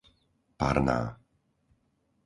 Parná